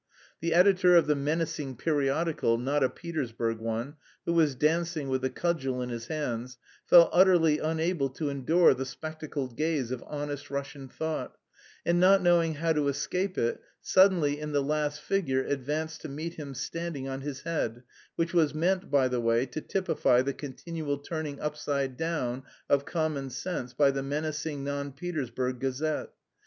The editor of the "menacing periodical, not a Petersburg one," who was dancing with the cudgel in his hands, felt utterly unable to endure the spectacled gaze of "honest Russian thought," and not knowing how to escape it, suddenly in the last figure advanced to meet him standing on his head, which was meant, by the way, to typify the continual turning upside down of common sense by the menacing non Petersburg gazette.